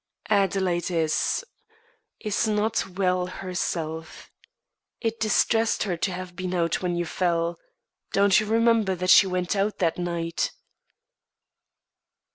"Adelaide is is not well herself. It distressed her to have been out when you fell. Don't you remember that she went out that night?"